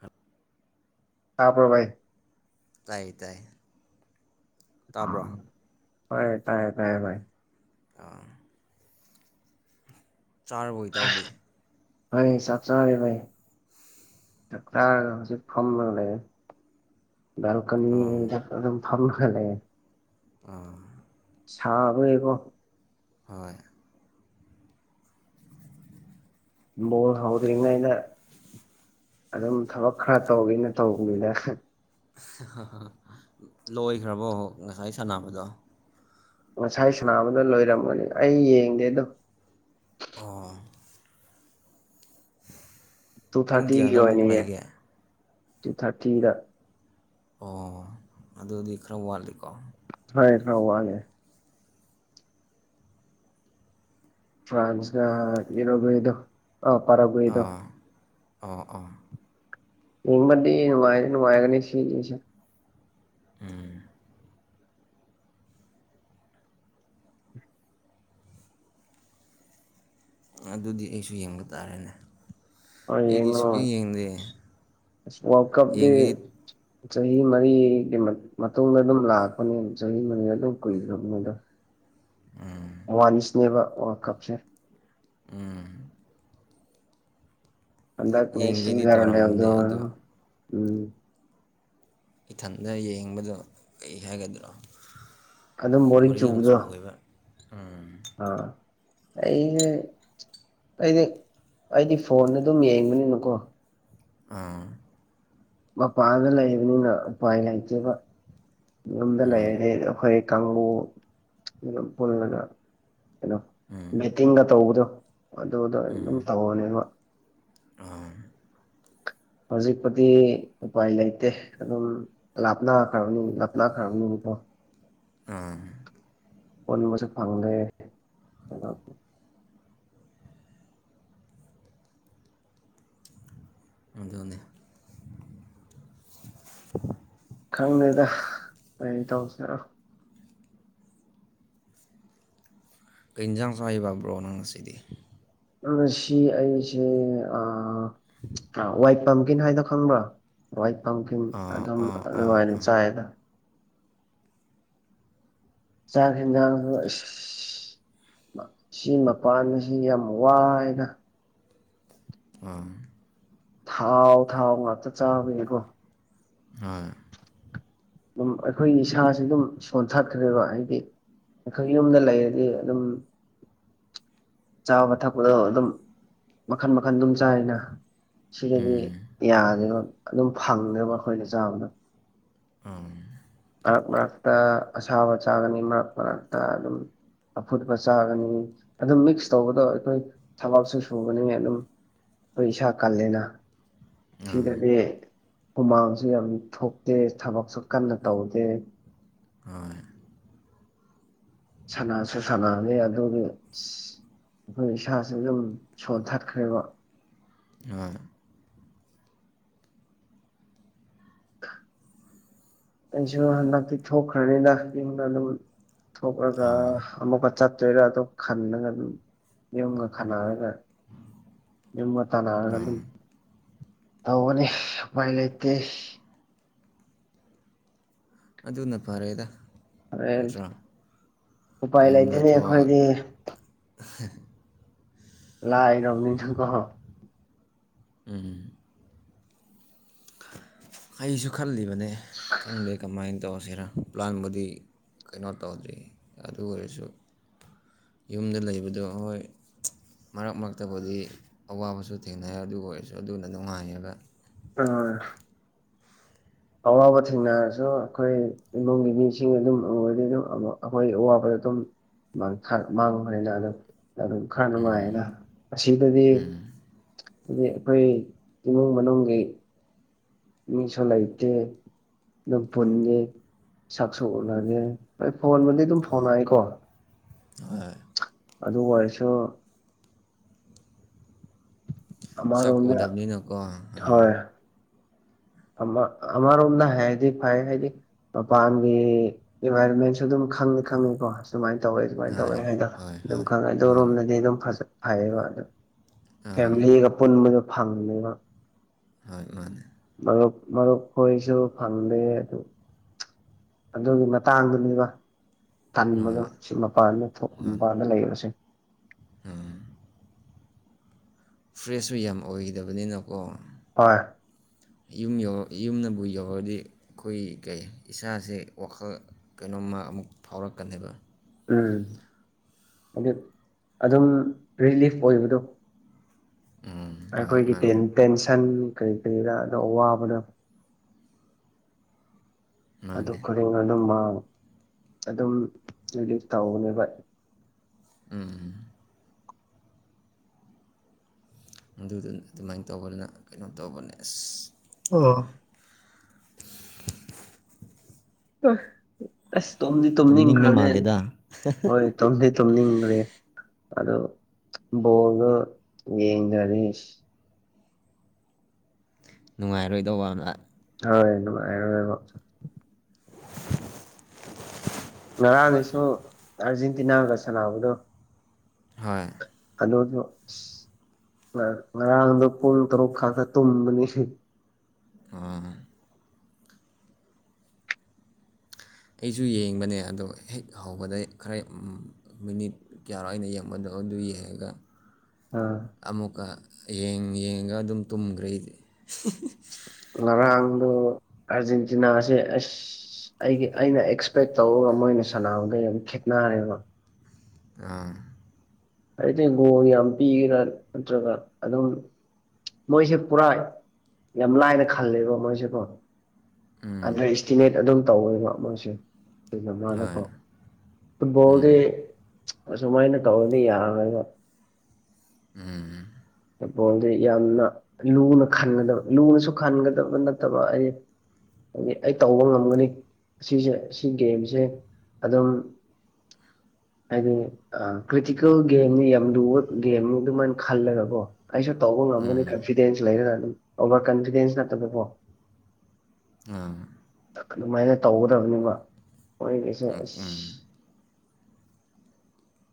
half ꯍꯥꯥꯄ꯭ꯔꯚꯏ ꯇꯥꯏ ꯇꯥꯏ ꯇꯥꯕ꯭ꯔꯣ ꯍꯣꯏ ꯇꯥꯏꯌꯦ ꯇꯥꯏꯌꯦꯥꯏ ꯑꯥ ꯆꯥꯔꯕꯣꯏꯇꯥꯎꯗꯦ ꯐ ꯆꯞ ꯆꯥꯔꯦ ꯥꯏ ꯆꯥ ꯍꯧꯖꯤꯛ ꯐꯝ ꯂꯩꯦ ꯕꯦꯜꯀꯅꯤꯝ ꯐꯝ ꯂꯍ ꯂꯩꯒꯦ ꯑꯥ ꯁꯥꯕꯌꯦꯀꯣ ꯍꯣꯏ ꯃꯣꯜ ꯍꯧꯗ꯭ꯔꯤꯉꯩ ꯑꯩꯅ ꯑꯗꯨꯝ ꯊꯕꯛ ꯈꯔ ꯇꯧꯒꯦꯅ ꯇꯧꯕꯗꯨꯗꯁ ꯂꯣꯏꯈ꯭ꯔꯕꯣ ꯉꯁꯥꯏ ꯁꯥꯟꯅꯕꯗꯣ ꯉꯁꯥꯏ ꯁꯅꯕꯗꯣ ꯂꯣꯏꯔꯝꯒꯅꯤ ꯑꯩ ꯌꯦꯡꯗꯦꯗꯣ ꯑꯣ ꯇꯨ ꯄꯨꯡ ꯊꯥꯔꯇꯤꯒꯤ ꯀꯌꯥꯗ ꯑꯃꯨꯛ ꯑꯣꯏꯅꯌꯦ ꯂꯩꯒꯦ ꯇꯨ ꯊꯥꯔꯇꯤꯗ ꯑꯣ ꯑꯗꯨꯗꯤ ꯈꯔ ꯋꯥꯠꯂꯤꯀꯣ ꯐꯣꯏ ꯊꯥꯎ ꯋꯥꯦ ꯐ꯭ꯔꯥꯟꯁ ꯉ ꯌꯅꯣꯕꯨꯗꯣ ꯑ ꯄꯔꯥꯕ ꯑꯣꯏꯗꯣ ꯑꯣ ꯑꯥ ꯏꯃꯗꯤ ꯋꯥꯒꯅꯦ ꯁꯤꯁ ꯎꯝ ꯑꯗꯨꯗꯤ ꯑꯩꯁꯨ ꯌꯦꯡꯕ ꯇꯥꯔꯦꯅꯦ ꯑ ꯑꯩꯗꯤ ꯌꯦꯡꯅꯣ ꯁꯨꯛꯌꯦꯡ ꯌꯦꯡꯗꯦ ꯋꯥꯔꯜ ꯀꯞꯗꯤ ꯌꯦꯡꯒꯦꯗꯤ ꯆꯍꯤ ꯃꯔꯤꯒꯤ ꯃꯇꯨꯡꯗ ꯑꯗꯨꯝ ꯂꯥꯛꯄꯅꯤ ꯆꯍꯤ ꯃꯔꯤꯗ ꯑꯗꯨꯝ ꯀꯨꯏꯈ꯭ꯔꯕꯅꯦ ꯑꯗꯣ ꯋꯥꯅꯤꯁꯅꯦꯕ ꯋꯥꯔꯜ ꯀꯞꯁꯦ ꯎꯝ ꯑꯗ ꯀ꯭ꯂꯦꯁꯟ ꯌꯦꯡꯒꯦꯗꯤ ꯀꯔꯗ ꯇꯧꯔꯝꯕꯅꯦ ꯑꯗꯨ ꯎꯝ ꯏꯊꯟꯗ ꯌꯦꯡꯕꯗꯣ ꯀꯔꯤ ꯍꯥꯏꯒꯗ꯭ꯔꯣ ꯑꯗꯨꯝ ꯕꯣꯔꯤꯡ ꯌꯥꯝ ꯆꯨ ꯆꯨꯕꯗꯣ ꯑꯣꯏꯕ ꯎꯝ ꯑꯥ ꯑꯩꯁꯦ ꯑꯩꯗꯤ ꯑꯩꯗꯤ ꯐꯣꯟꯗ ꯑꯗꯨꯝ ꯌꯦꯡꯕꯅꯤꯅꯀꯣ ꯑꯥ ꯃꯄꯥꯗ ꯂꯩꯕꯅꯤꯅ ꯎꯄꯥꯏ ꯂꯩꯇꯕ ꯌꯨꯝꯗ ꯂꯩꯔꯗꯤ ꯑꯩꯈꯣꯏ ꯀꯥꯡꯕꯨ ꯑꯗꯨ ꯄꯨꯜꯂꯒ ꯀꯩꯅꯣ ꯃꯦꯠꯇꯤꯡꯒ ꯇꯧꯕꯗꯣ ꯑꯗꯨꯗꯣ ꯑꯩ ꯑꯗꯨꯝ ꯇꯧꯅꯦꯕ ꯍꯧꯖꯤꯛꯄꯨꯗꯤ ꯎꯄꯥꯏ ꯂꯩꯇꯦ ꯑꯗꯨꯝ ꯂꯥꯞꯅꯥ ꯈ꯭ꯔꯅ ꯂꯥꯞꯅꯥ ꯈ꯭ꯔꯅ ꯑ ꯑ ꯄꯨꯟꯕꯁꯨ ꯐꯪꯗꯦ ꯑꯣꯗ ꯑꯣꯏꯗꯤ [unintelligible] ꯈꯪꯗꯦꯗ ꯀꯔꯤ ꯇꯧꯁꯤꯔꯣ ꯏꯟꯖꯥꯡ ꯁꯩꯕꯕ꯭ꯔꯣ ꯅꯪ ꯉꯁꯤꯗꯤ ꯁꯤ ꯑꯩꯁꯦꯏ ꯋꯥ ꯄꯝꯀꯤꯟ ꯍꯥꯏꯗꯣ ꯈꯪꯕ꯭ꯔꯥ ꯋꯥꯏꯠ ꯄꯝꯀꯤꯟ ꯑꯥ ꯑꯗꯨꯝ ꯑꯥ ꯑꯥ ꯑꯗꯨꯅꯨꯡꯉꯥꯏꯅ ꯑꯥ ꯆꯥꯏꯗ ꯆ ꯁꯤ ꯃꯄꯥꯟ ꯑꯁꯤ ꯌꯥꯝ ꯋꯥꯏꯅ ꯑꯥ ꯊꯥꯎ ꯊꯥꯎ ꯉꯥꯛꯇ ꯆꯥꯕꯅꯦꯀꯣ ꯑꯣꯏ ꯑꯗꯨꯝ ꯑꯩꯈꯣꯏꯒꯤ ꯏꯁꯁꯤ ꯑꯗꯨꯝ ꯁꯣꯟꯊꯠꯈ꯭ꯔꯦꯕ ꯍꯥꯏꯗꯤ ꯑꯩꯈꯣꯏ ꯌꯨꯝꯗ ꯂꯩꯔꯗꯤ ꯑꯗꯨꯝ ꯆꯥꯕ ꯊꯛꯄꯗꯣ ꯑꯗꯨꯝ ꯃꯈꯟ ꯃꯈꯟ ꯑꯗꯨꯝ ꯆꯥꯅ ꯁꯤꯗꯗꯤ ꯌꯥꯒꯦꯕ ꯑꯗꯨꯝ ꯐꯪꯉꯦꯕ ꯑꯩꯈꯣꯏꯅ ꯆꯥꯕꯗ ꯑ ꯃꯔꯛ ꯃꯔꯛꯇ ꯑꯁꯥꯕ ꯆꯥꯕꯅꯤ ꯃꯔꯛ ꯃꯔꯛꯇ ꯑꯗꯨꯝ ꯑꯐꯨꯠꯄ ꯆꯥꯒꯅꯤ ꯑꯗꯨꯝ ꯃꯤꯛꯁ ꯇꯧꯕꯗꯣ ꯑꯩꯈꯣꯏ ꯊꯕꯞꯁꯨ ꯁꯨꯒꯅꯤ ꯑꯗꯨꯝ ꯄꯩꯁꯥ ꯀꯂꯅꯥ ꯁꯤꯗꯗꯤ ꯍꯨꯃꯥꯡꯁꯨ ꯌꯥꯝ ꯊꯣꯛꯇꯦ ꯊꯕꯛ ꯑꯁꯨꯛ ꯀꯟꯅ ꯇꯧꯗꯦ ꯑꯣꯏ ꯁꯅꯁꯨ ꯁꯥꯟꯅꯒꯦ ꯑꯗꯨꯒꯤ ꯑ ꯑꯩꯈꯣꯏ ꯏꯁꯥꯥꯁꯦ ꯑꯗꯨꯝ ꯁꯣꯟꯊꯠꯈ꯭ꯔꯦꯕ ꯍꯣꯏ ꯀꯩꯁꯨ ꯍꯟꯗꯛꯇꯤ ꯊꯣꯛꯈ꯭ꯔꯅꯤꯅ ꯑꯩꯉꯅ ꯑꯗꯨꯝ ꯊꯣꯛꯂꯒ ꯑꯥ ꯑꯃꯨꯛꯀ ꯆꯠꯇꯣꯏꯒ ꯑꯗꯨ ꯈꯟꯅꯂꯒ ꯑꯗꯨꯝ ꯌꯨꯝꯒ ꯈꯟꯅꯔꯒ ꯌꯨꯝꯒ ꯇꯥꯟꯅꯔꯒ ꯑꯗꯨꯝ ꯇꯅꯤ ꯃꯥꯏ ꯂꯩꯇ ꯑꯗꯨꯅ ꯐꯔꯦꯗ ꯅꯠꯇ꯭ꯔꯣ ꯎꯄꯥꯏ ꯌꯨꯝꯗ ꯂꯩꯇꯅꯤ ꯊꯣꯛꯑ ꯑꯩꯈꯣꯏꯗꯤ [unintelligible] ꯂꯥꯏ ꯔꯝꯅꯤꯁꯨ ꯀꯍ ꯎꯝ ꯑꯩꯁꯨ ꯈꯜꯂꯤꯕꯅꯦ ꯈꯪꯗꯦ ꯀꯃꯥꯏꯅ ꯇꯧꯔ ꯅ ꯄ꯭ꯂꯥꯟꯕꯨꯗꯤ ꯀꯩꯅꯣ ꯇꯧꯗ꯭ꯔꯤ ꯑꯗꯨ ꯑꯣꯏꯔꯁꯨ ꯌꯨꯝꯗ ꯂꯩꯕꯗꯣ ꯍꯣꯏ ꯃꯔꯛ ꯃꯔꯛꯇꯕꯨꯗꯤ ꯑꯋꯥꯕꯁꯨ ꯊꯦꯡꯅꯩ ꯑꯗꯨꯒ ꯑꯣꯏꯔꯁꯨ ꯑꯗꯨꯅ ꯅꯨꯡꯉꯥꯏꯌꯦꯕ ꯑ [unintelligible] ꯑꯋꯥꯕ ꯊꯦꯡꯅꯔꯁꯨ ꯑꯩꯈꯣꯏ ꯏꯃꯨꯡꯒꯤ ꯃꯤꯁꯤꯡ ꯑꯗꯨꯝ ꯑꯩꯔꯗꯤ ꯑꯗꯨꯝ ꯑꯩꯈꯣꯏ ꯑꯋꯥꯕꯗ ꯑꯗꯨꯝ ꯃꯥꯡ ꯊꯔ ꯃꯥꯡ ꯍꯅꯤꯅ ꯑꯗꯨ ꯑꯗꯨ ꯈꯔ ꯅꯨꯡꯉꯥꯏꯌꯦꯅ ꯑꯁꯤꯗꯗꯤ ꯑꯗꯨꯗꯤ ꯑꯩꯈꯣꯏ ꯏꯃꯨꯡ ꯃꯅꯨꯡꯒꯤ [unintelligible] ꯃꯤꯁꯨ ꯂꯩꯇꯦ ꯑꯗꯨꯝ ꯄꯨꯟꯉ ꯁꯛꯁꯨ ꯎꯂꯒꯦ ꯑꯩꯣꯏ ꯐꯣꯟꯕꯗꯤ ꯑꯗꯨꯝ ꯐꯣꯟꯉꯏꯀꯣ ꯍꯣꯏ ꯑꯗꯨ ꯑꯣꯏꯔꯁꯨ ꯁꯛ ꯑꯃꯔꯣꯝꯗ ꯎꯗꯕꯅꯤꯅꯀꯣ ꯑꯥ ꯑꯔꯣꯝꯅ ꯍꯥꯏꯗꯤ ꯐ ꯍꯥꯏꯗꯤ ꯃꯄꯥꯟꯒꯤ ꯏꯟꯚꯥꯏꯔꯣꯟꯃꯦꯟꯁꯨ ꯑꯗꯨꯝ ꯈꯪꯉꯤ ꯈꯪꯉꯤ ꯀꯣ ꯁꯨꯃꯥꯏꯅ ꯇꯧꯋꯤ ꯁꯃꯥꯏꯅ ꯇꯧꯋꯦ ꯍꯣꯏ ꯍꯥꯏꯗꯅ ꯍꯣꯏ ꯑꯗꯨꯝ ꯍꯣꯏ ꯈꯪꯉꯦ ꯑꯗꯣ ꯃꯥꯅꯦ ꯔꯣꯝꯗꯗꯤ ꯑꯗꯨꯝ ꯐꯩꯌꯦꯕ ꯑꯗꯨ ꯑꯥ ꯐꯦꯃꯤꯂꯤꯒ ꯄꯨꯟꯕꯗ ꯐꯪꯅꯕ ꯍꯣꯏ ꯃꯥꯅꯦ ꯃꯔꯨꯞ ꯃꯔꯨꯞ ꯀꯁꯨ ꯐꯥꯟꯗꯦ ꯑꯗꯨ ꯑꯗꯨꯒꯤ ꯃꯇꯥꯡꯗꯨꯅꯦꯕ ꯊꯥꯅꯤꯡꯕꯗꯣ ꯍꯣꯏ ꯁꯤ ꯃꯄꯥꯟꯗ ꯊꯣꯛ ꯃꯄꯥꯟꯗ ꯂꯩꯔꯁꯦ ꯎꯝ ꯐ꯭ꯔꯦꯁꯁꯨ ꯌꯥꯝ ꯑꯣꯏꯗꯕꯅꯤꯅꯀꯣ ꯍꯣꯏ ꯌꯨꯝ ꯌ ꯌꯨꯝꯅꯕꯨ ꯌꯧꯔꯗꯤ ꯑꯩꯈꯣꯏ ꯀꯩ ꯏꯁꯥꯁꯦ ꯋꯥꯈꯜ ꯀꯩꯅꯣꯝꯃ ꯑꯃ ꯑꯃꯨꯛ ꯐꯥꯎꯔꯛꯀꯅꯦꯕ ꯎꯝ ꯑꯗꯨ ꯑꯗꯨꯝ ꯔꯤꯂꯤꯐ ꯑꯣꯏꯕꯗꯣ ꯎꯝ ꯍꯣꯏ ꯑꯩꯈꯣꯏꯒꯤ ꯃꯥꯅꯦ ꯇꯦꯟꯁꯟ ꯀꯔꯤ ꯀꯔꯤꯗꯥ ꯑꯗꯣ ꯑꯋꯥꯕꯗꯣ [unintelligible] ꯑꯗꯨ ꯃꯥꯅꯦ ꯈꯨꯗꯤꯡ ꯑꯗꯨꯝ ꯑꯗꯨꯝ ꯍꯥꯏꯗꯤ ꯇꯧꯅꯦꯕ ꯑꯗꯨꯗꯨ ꯑꯗꯨꯃꯥꯏꯅ ꯇꯧꯕꯅꯤꯅ ꯀꯩꯅꯣ ꯇꯧꯕꯅꯦ ꯑꯁ ꯑꯥ ꯑꯁ ꯇꯣꯝꯗꯤ ꯇꯨꯝꯅꯤꯡꯕ ꯇꯨꯝꯅꯤꯡꯈ꯭ꯔꯅꯦ ꯃꯥꯜꯂꯦꯗ ꯍꯣꯏ ꯇꯣꯝꯗꯤ ꯇꯨꯝꯅꯤꯡ ꯑꯗꯨ ꯕꯣꯜꯗꯣ ꯌꯦꯡꯅꯔꯤ ꯅꯨꯡꯉꯥꯏꯔꯣꯏꯗꯧꯕ ꯑꯃ ꯔ ꯉꯔꯥꯡꯒꯤꯁꯨ ꯑꯥꯔꯖꯦꯟꯇꯤꯅꯥꯒ ꯁꯥꯟꯅꯕꯗꯣ ꯍꯣꯏ ꯍꯂꯣꯗꯣ ꯉꯔꯥꯡꯗꯣ ꯄꯨꯡ ꯇꯔꯨꯛ ꯈꯛꯇ ꯇꯨꯝꯕꯅꯤ ꯑꯩꯁꯨ ꯌꯦꯡꯕꯅꯦ ꯑꯗꯣ ꯍꯦꯛ ꯍꯧꯕꯗ ꯈꯔ ꯃꯤꯅꯤꯠ ꯀꯌꯥꯔꯣ ꯑꯩꯅ ꯌꯦꯡꯕꯗꯣ ꯑꯗꯨꯗꯨꯏ ꯍꯥꯏꯒ ꯑꯥ ꯑꯃꯨꯛꯀ ꯌꯦ ꯌꯦꯡꯉꯒ ꯑꯗꯨꯝ ꯇꯨꯝꯈ꯭ꯔꯦꯗꯤ ꯉꯔꯥꯡꯗ ꯑꯥꯔꯖꯦꯟꯇꯤꯅꯥꯁꯦ ꯑꯁ ꯑꯩꯒꯤ ꯑꯩꯅ ꯑꯦꯛꯁꯄꯦꯛ ꯇꯧꯔꯒ ꯃꯣꯏꯅ ꯁꯥꯟꯅꯕꯒ ꯌꯥꯝ ꯈꯦꯠꯅꯔꯦꯕ ꯑ ꯍꯥꯏꯗꯤ ꯒꯣꯜ ꯌꯥꯝ ꯄꯤꯒ꯭ꯔꯥꯔ ꯅꯠꯇ꯭ꯔꯒꯥ ꯑꯗꯨꯝ ꯃꯣꯏꯁꯦ ꯄꯨꯔꯥ ꯌꯥꯝ ꯂꯥꯏꯅ ꯈꯜꯂꯦꯕ ꯃꯣꯏꯁꯦꯀꯣ ꯑꯟꯗꯔ ꯏꯁꯁꯇꯤꯃꯦꯠ ꯑꯗꯨꯝ ꯇꯧꯋꯦꯕ ꯃꯥꯁꯦ ꯁꯤꯅ ꯃꯥꯅꯀꯣ ꯐꯨꯠꯕꯣꯜꯗꯤꯦ ꯁꯃꯥꯏꯅ ꯀ [inaudible] ꯐꯨꯠꯕꯣꯜꯗꯤ ꯌꯥꯝꯅ ꯂꯨꯅ ꯈꯟꯒꯗꯕ ꯂꯨꯅꯁꯨ ꯈꯟꯒꯗꯕ ꯅꯠꯇꯕ ꯑꯩ ꯍꯥꯏꯗꯤ ꯑꯩ ꯇꯧꯕ ꯉꯝꯒꯅꯤ ꯑꯁꯤꯁꯦ ꯁꯤ ꯒꯦꯝꯁꯦ ꯑꯗꯨꯝ ꯍꯥꯏꯗꯤ ꯀ꯭ꯔꯤꯇꯤꯀꯦꯜ ꯒꯦꯝꯅꯤ ꯌꯥꯝ ꯂꯨꯕ ꯒꯦꯝꯅꯤ ꯑꯗꯨꯃꯥꯏꯅ ꯈꯜꯂꯒꯀꯣ ꯑꯩꯁꯨ ꯇꯧꯕ ꯉꯝꯒꯅꯤ ꯀꯟꯐꯤꯗꯦꯟꯁ ꯂꯩꯔꯅ ꯑꯗꯨꯝ ꯑꯣꯚꯔ ꯀꯟꯐꯤꯗꯦꯟꯁ ꯅꯠꯇꯕꯀꯣ ꯑ ꯑꯗꯨꯃꯥꯏꯅ ꯇꯧꯒꯗꯕꯅꯤꯕ ꯃꯣꯏꯒꯤꯩꯁꯦ ꯑꯁ ꯎꯝ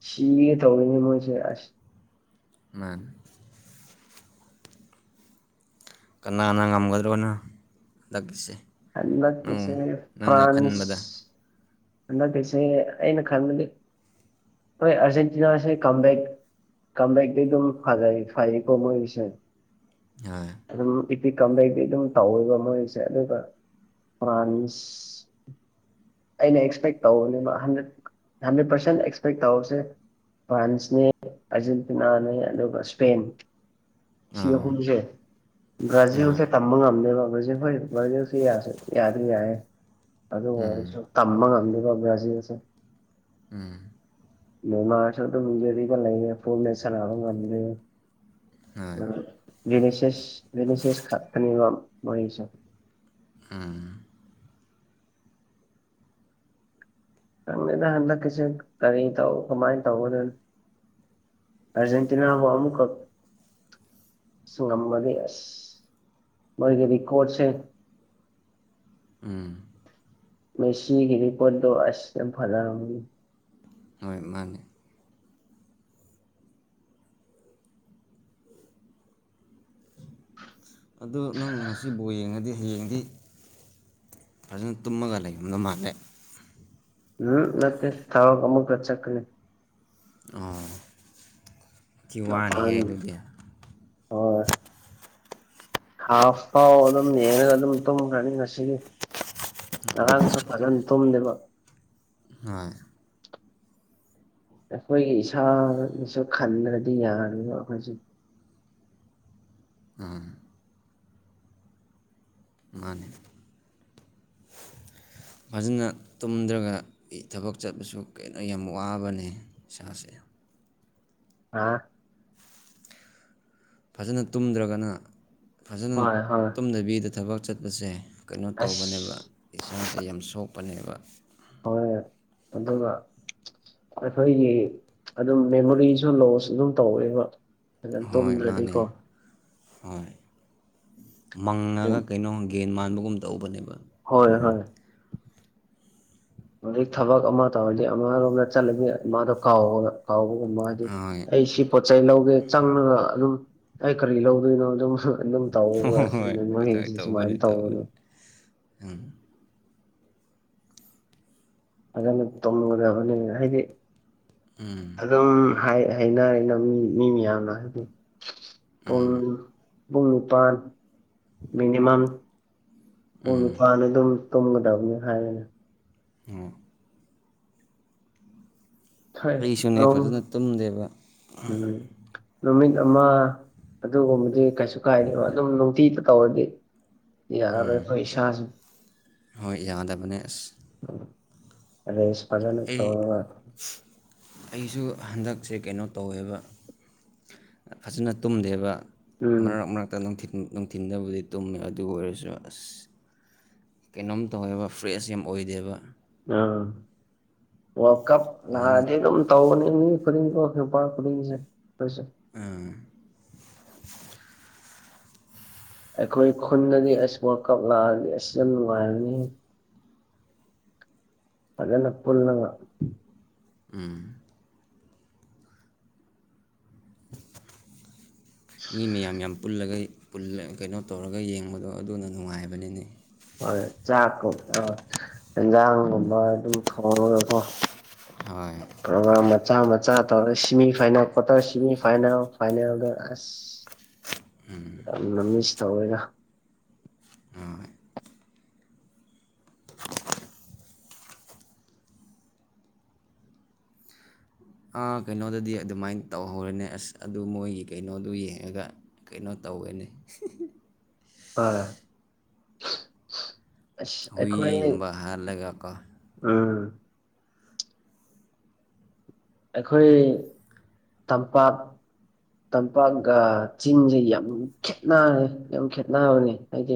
ꯁꯤꯒ ꯇꯧꯔꯤꯅꯦ ꯃꯣꯏꯁꯦ ꯑꯁ ꯃꯥꯅꯦ ꯀꯅꯥ ꯀꯟꯅ ꯉꯝꯒꯗ꯭ꯔꯣꯅ ꯍꯟꯗꯛꯀꯤꯁꯦ ꯑꯧ ꯍꯟꯂꯀꯤꯁꯦ ꯅꯪꯅ ꯐ꯭ꯔꯥꯟꯁ ꯈꯟꯕꯗ ꯑꯁꯦ ꯑꯩꯅ ꯈꯔ ꯑꯔꯖꯦꯟꯇꯤꯅꯥꯁ ꯀꯝꯕꯦꯛꯦꯛ ꯀꯝꯕꯦꯛꯗꯤ ꯑꯗꯨꯝ ꯐꯖꯩ ꯐꯥꯏꯩ ꯀꯃ ꯑꯣꯏꯁ ꯍꯣꯏ ꯏꯄꯤꯤ ꯀꯝꯗꯩꯗꯤ ꯑꯗꯨꯝ ꯇꯧꯋꯦꯕ ꯃꯣꯏꯁꯦ ꯑꯗꯨꯒ ꯐ꯭ꯔꯥꯟꯁ ꯑꯩꯅ ꯑꯦꯛꯁꯄꯦꯛ ꯇꯧꯅꯦꯕ ꯍꯟꯗ꯭ꯔꯦꯠ ꯍꯟꯗ꯭ꯔꯦꯠ ꯄꯥꯔꯁꯦꯟ ꯑꯦꯛꯁꯄꯦꯛ ꯇꯧꯁꯦ ꯐ꯭ꯔꯥꯟꯁꯅꯦ ꯑꯔꯖꯦꯟꯇꯤꯅꯥꯅꯦ ꯑꯗꯨꯒ ꯁꯄꯦꯟ ꯑꯥ ꯁꯤꯁꯤꯡꯈꯨꯝꯁꯦ ꯕ꯭ꯔꯥꯖꯤꯜꯁꯦ ꯇꯝꯕ ꯉꯝꯅꯦꯕ ꯕ꯭ꯔꯥꯖꯤꯜ ꯍꯣꯏ ꯕ꯭ꯔꯥꯖꯤꯜꯁꯦ ꯌꯥꯗ꯭ꯔ ꯌꯥꯔꯦ ꯑ ꯍꯁꯨ ꯇꯃ ꯉꯜꯂꯤꯕꯕꯌꯥꯁꯤꯗꯁꯦ ꯃꯃꯁꯨꯗꯗꯤꯒ ꯂꯩꯒꯦ ꯐꯨꯟꯅ ꯁꯔꯕ ꯍꯣꯏ ꯉꯦ ꯅꯤꯁꯤꯁ ꯅꯤꯁꯤꯁ ꯈ ꯈꯅꯤ ꯋꯥ ꯃꯁ ꯑ ꯃꯦꯗ ꯍꯟꯗꯛ ꯀꯁꯦ ꯀꯔꯤ ꯇꯧ ꯀꯃꯥꯏꯅ ꯇꯧꯕ ꯅ ꯑꯔꯖꯦꯟꯇꯤꯅꯥ ꯍ ꯑꯃꯨꯛꯀ ꯁ ꯉꯝꯕꯒꯤ ꯑꯁ ꯃ ꯀꯗꯤ ꯀꯣꯠꯁꯦ ꯎꯝ ꯃꯦꯁꯤ ꯍꯔꯔꯤꯄꯗ ꯑꯁꯇꯦ ꯐꯂ ꯔꯒꯒꯤ ꯍꯣꯏ ꯃꯥꯅꯦ ꯑꯗꯨꯗ ꯅꯪ ꯉꯁꯤꯕꯨꯥꯎ ꯌꯦꯡꯉꯗꯤ ꯍꯌꯦꯡꯗꯤ ꯐꯖꯅ ꯇꯨꯝꯃꯒ ꯂꯩꯔꯝꯗ ꯃꯥꯜꯂꯦ ꯎꯝ ꯅ ꯊꯥꯎ ꯑꯃꯨꯛ ꯆꯀꯅꯦ ꯀꯤ ꯋꯥꯅꯤꯍꯦ ꯑꯗꯨꯗꯤ ꯑꯣ ꯍꯥꯥꯥꯁ ꯐꯥꯎ ꯑꯣꯗꯝ ꯅꯅꯒꯗꯝ ꯇꯨꯨꯝ ꯔꯅꯤ ꯅꯁꯤꯔꯤ ꯑꯔꯥꯡꯁꯨ ꯐꯖꯅ ꯇꯨꯝꯗꯦꯕ ꯍꯣꯏ ꯑꯩꯈꯣꯏꯒꯤ ꯏꯁꯥꯅꯁꯨ ꯈꯟꯗ꯭ꯔꯗꯤ ꯌꯥꯔꯤꯅ ꯑꯩꯈꯣꯏꯁꯨ [inaudible] ꯃꯥꯅꯦ ꯐꯖꯅ ꯇꯨꯝꯗ꯭ꯔꯒ ꯊꯕꯛ ꯆꯠꯄꯁꯨ ꯀꯩꯅꯣ ꯌꯥꯝ ꯋꯥꯕꯅꯦ ꯏꯁꯥꯁꯦ ꯍꯥ ꯐꯖꯅ ꯇꯨꯝꯗ꯭ꯔꯒꯅ ꯐꯖꯅ ꯍꯣꯏ ꯍꯣꯏ ꯇꯨꯝꯗꯕꯤꯗ ꯊꯕꯛ ꯆꯠꯄꯁꯦ ꯀꯩꯅꯣ ꯑꯁ ꯇꯧꯕꯅꯦꯕ ꯏꯁꯥꯁꯦ ꯌꯥꯝ ꯁꯣꯛꯄꯅꯦꯕ ꯍꯣꯏ ꯑꯗꯨꯒ ꯑꯩꯈꯣꯏꯒꯤ ꯑꯗꯨꯝ ꯃꯦꯃꯣꯔꯤꯁꯨ ꯂꯣꯁ ꯑꯗꯨꯝ ꯇꯧꯋꯦꯕ ꯐ ꯍꯣꯏ ꯃꯥꯅꯦ ꯇꯣꯗ꯭ꯔꯗꯤꯀꯣ ꯍꯣꯏ ꯃꯪꯉꯒ ꯀꯩꯅꯣ ꯒꯦꯟ ꯃꯥꯟꯕꯒꯨꯝ ꯇꯧꯕꯅꯦꯕ ꯍꯣꯏ ꯍꯣꯏ ꯍꯧꯖꯤꯛ ꯊꯕꯛ ꯑꯃ ꯇꯧꯔꯗꯤ ꯑꯃꯔꯣꯝꯗ ꯆꯠꯂꯒ ꯃꯥꯗꯣ ꯀꯥꯎꯕ ꯀꯥꯎꯕ ꯎꯃ ꯍꯥꯏꯗꯤ ꯍꯣꯏ ꯑꯩ ꯁꯤ ꯄꯣꯠ ꯆꯩꯩ ꯂꯧꯒꯦ ꯆꯪꯉꯒ ꯑꯗꯨꯝ ꯑꯩ ꯀꯔꯤ ꯂꯧꯗꯣꯏꯅꯣ ꯑꯗꯨꯝ ꯑꯗꯨꯝ ꯇꯧꯁ ꯍꯣꯏ ꯍꯣꯏ [inaudible] ꯁꯨꯃꯥꯏꯅ ꯇꯧꯅ ꯑꯝ ꯑꯗꯨꯅ ꯇꯨꯝꯒꯗꯕꯅꯦ ꯍꯥꯏꯗꯤ ꯑꯗꯨꯝ ꯍꯥꯏꯅꯩꯅ ꯃꯤ ꯃꯤ ꯃꯌꯥꯝꯅ ꯄꯨꯟ ꯄꯨꯡ ꯅꯤꯄꯥꯟ ꯃꯤꯅꯤꯃꯝ ꯄꯨꯡ ꯅꯤꯄꯥꯥꯟ ꯑꯗꯨꯝ ꯇꯣꯝꯒꯗꯕꯅꯤ ꯍꯥꯏꯅ ꯑꯝ ꯈꯥꯏ ꯑꯩꯁꯨꯅꯦ ꯐꯖꯅ ꯇꯨꯝꯗꯦꯕ ꯅꯨꯃꯤꯠ ꯑꯃ ꯑꯗꯨꯒꯨꯝꯕꯗꯤ ꯀꯩꯁꯨ ꯀꯥꯏꯗꯕ ꯑꯗꯨꯝ ꯅꯨꯡꯇꯤꯇ ꯇꯧꯔꯗꯤ ꯌꯥ ꯌꯥꯔꯔꯣꯏ ꯄꯩꯁꯥ ꯍꯣꯏ ꯌꯥꯗꯕꯅꯦ ꯑꯁ ꯐꯖꯅ ꯑꯩ ꯇꯧꯔ ꯋꯥ ꯑꯩꯁꯨ ꯍꯟꯗꯛꯁꯦ ꯀꯩꯅꯣ ꯇꯧꯋꯦꯕ ꯐꯖꯅ ꯇꯨꯝꯗꯦꯕ ꯎꯝ ꯃꯔꯛ ꯃꯔꯛꯇ ꯅꯨꯡꯊꯤꯟꯗꯕꯨꯗꯤ ꯇꯨꯝꯃꯦ ꯑꯗꯨ ꯑꯣꯏꯔꯁꯨ ꯑꯁ ꯀꯩꯅꯣꯝ ꯇꯧꯋꯦꯕ ꯐ꯭ꯔꯦꯁ ꯌꯥꯝ ꯑꯣꯏꯗꯦꯕ ꯎꯝ ꯋꯥ ꯀꯞ ꯐꯖꯅ ꯂꯖꯤꯦ [inaudible] ꯑꯗꯨꯝ ꯇꯧꯅꯤ ꯐꯔꯤ [inaudible] ꯈꯦꯄꯥ ꯐꯔꯤꯡꯁꯦ ꯑꯝ ꯑꯩꯈꯣꯏ ꯈꯨꯟꯗꯗꯤ ꯑꯩꯁ ꯋꯥꯔ ꯀꯞ ꯂꯥꯛꯑꯗꯤ ꯑꯁꯤ ꯌꯥꯝ ꯅꯨꯡꯉꯥꯏꯔꯅꯤ ꯄꯖꯅ ꯄꯨꯜꯅꯉ ꯎꯝ ꯃꯤ ꯃꯌꯥꯝ ꯌꯥꯝ ꯄꯨꯜꯂꯒ ꯀꯩꯅꯣ ꯇꯧꯔꯒ ꯌꯦꯡꯕꯗꯣ ꯑꯗꯨꯅ ꯅꯨꯡꯉꯥꯏꯕꯅꯤꯅꯦ ꯍ ꯆꯥꯛꯨꯝ ꯑꯟꯖꯥꯡꯒꯨꯝꯕ ꯑꯗꯨꯝ ꯊꯣꯡꯉꯉꯣ ꯍꯣꯏ ꯄ꯭ꯔꯣꯒꯝ ꯃꯆꯥ ꯃꯆꯥ ꯁꯤꯃꯤ ꯐꯥꯏꯜ ꯀꯠꯇ ꯁꯤꯃꯤ ꯐꯥꯏꯜ ꯐꯥꯏꯅꯦꯜꯗ ꯑꯁ ꯌꯥꯝꯅ ꯃꯤꯁ ꯇꯧꯋꯦꯔ ꯑꯝ ꯑꯥ ꯀꯩꯅꯣꯗꯗꯤ ꯑꯗꯨꯃꯥꯏꯅ ꯇꯧꯍꯧꯔꯅꯦ ꯑꯁ ꯑꯗꯨ ꯃꯣꯏꯒꯤ ꯀꯩꯅꯣꯗꯨ ꯌꯦꯡꯉꯒ ꯀꯩꯅꯣ ꯇꯧꯑꯅꯦ ꯑ ꯑꯁ ꯑꯩꯈꯣꯏ ꯍꯨꯏꯒꯨꯝꯕ ꯍꯥꯠꯂꯒꯀꯣ ꯎꯝ ꯑꯩꯈꯣꯏ ꯇꯝꯄꯥꯛ ꯇꯝꯄꯥꯛꯒ ꯆꯤꯡꯁꯦ ꯌꯥꯝ ꯈꯦꯠꯅꯔꯦ ꯌꯥꯝ ꯈꯦꯠꯅꯕꯅꯤ ꯍꯥꯏꯗꯤ